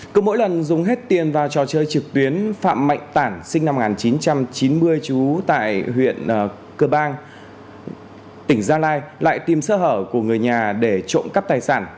cứ mỗi lần dùng hết tiền vào trò chơi trực tuyến phạm mạnh tản sinh năm một nghìn chín trăm chín mươi trú tại huyện cơ bang tỉnh gia lai lại tìm sơ hở của người nhà để trộm cắp tài sản